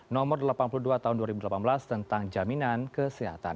nomor delapan puluh dua tahun dua ribu delapan belas tentang jaminan kesehatan